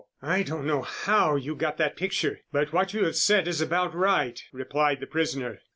"I don't know how you got that picture, but what you have said is about right," replied the prisoner.